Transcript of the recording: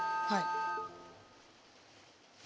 はい。